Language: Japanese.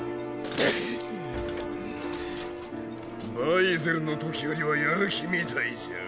げほっ！バイゼルのときよりはやる気みたいじゃん？